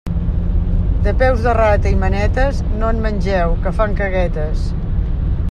De peus de rata i manetes, no en mengeu, que fan caguetes.